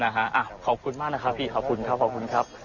ขอบคุณมากนะครับพี่ขอบคุณครับขอบคุณครับ